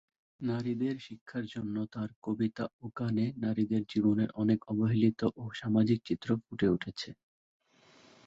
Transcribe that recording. নারীদের শিক্ষার জন্য তার কবিতা ও গানে নারীদের জীবনের অনেক অবহেলিত ও সামাজিক চিত্র ফুটে উঠেছে।